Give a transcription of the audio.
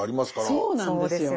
そうなんですよ。